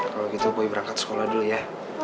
kalau gitu boy berangkat sekolah dulu ya